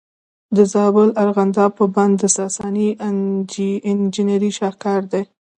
د زابل ارغنداب بند د ساساني انجینرۍ شاهکار دی